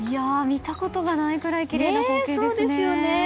見たことがないくらいきれいな光景ですね。